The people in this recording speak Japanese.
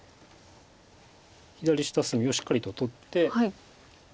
左下隅をしっかりと取って。